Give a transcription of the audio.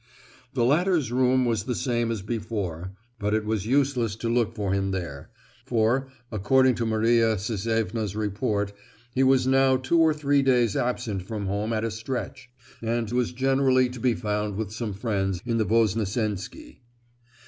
The latter's room was the same as before, but it was useless to look for him there, for, according to Maria Sisevna's report, he was now two or three days absent from home at a stretch, and was generally to be found with some friends in the Voznecensky.